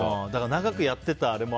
長くやっていたものも。